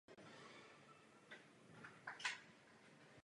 Tradice ochotnického divadla zde byla velmi silná.